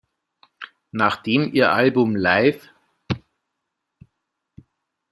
Nachdem ihr Album "Live!